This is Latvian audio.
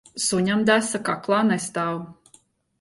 Suņam desa kaklā nestāv.